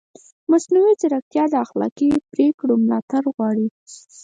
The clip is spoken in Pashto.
مصنوعي ځیرکتیا د اخلاقي پرېکړو ملاتړ غواړي.